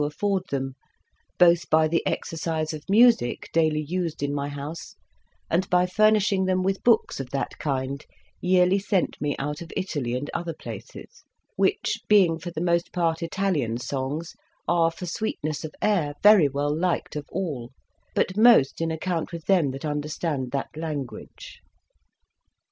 afford them, both by the exercise of music daily used in my house, and by furnishing them with books of that kind yearly sent me out of Italy and other places ; which, being for the most part Italian songs, are for sweetness of air very well liked of all, but most in account with them that understand that language.